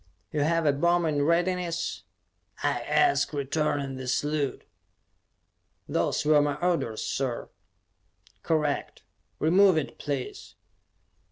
"You have a bomb in readiness?" I asked, returning the salute. "Those were my orders, sir." "Correct. Remove it, please."